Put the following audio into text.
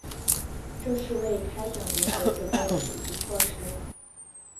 这是为开展文革准备的组织措施。